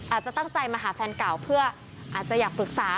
อาจจะตั้งใจมาหาแฟนเก่าเพื่ออาจจะอยากปรึกษา